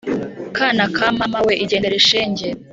Kana ka mama we igendere shenge